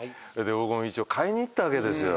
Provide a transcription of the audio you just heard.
僕も買いに行ったわけですよ。